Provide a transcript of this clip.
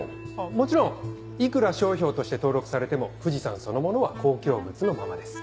もちろんいくら商標として登録されても富士山そのものは公共物のままです。